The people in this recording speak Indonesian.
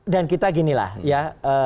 dan kita ginilah ya